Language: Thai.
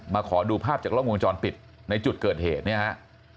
มาขอดูภาพจากกล้องโครงจรปิดในจุดเกิดเหตุนะครับ